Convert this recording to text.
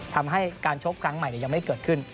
ทำให้การชกครั้งใหม่ยังไม่เกิดขึ้น